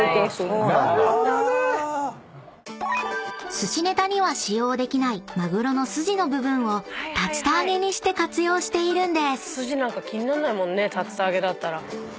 ［寿司ネタには使用できないまぐろの筋の部分を竜田揚げにして活用しているんです］